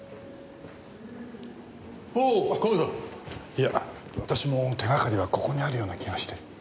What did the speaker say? いや私も手がかりはここにあるような気がして。